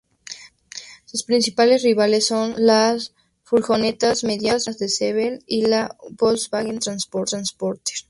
Sus principales rivales son las furgonetas medianas de Sevel y la Volkswagen Transporter.